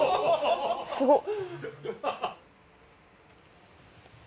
すごっ！